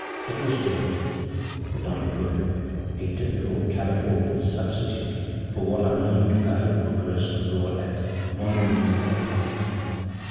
It was ruined, but not a ruin a typical Californian substitute for what are known to guide bookers abroad as 'monuments of the past.'